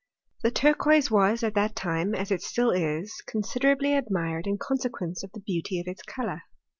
The turquoise was at that time, as it still is, con siderably admired in consequence of the beauty of its colour.